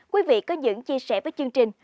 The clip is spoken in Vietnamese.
quý vị có những chia sẻ với chương trình